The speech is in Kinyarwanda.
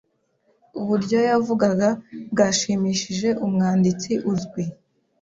Uburyo yavugaga bwashimishije umwanditsi uzwi.